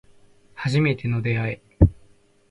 初めての出会い